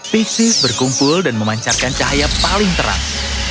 pixic berkumpul dan memancarkan cahaya paling terang